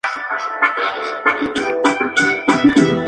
En agosto se celebran las fiestas de la Virgen de Candelaria.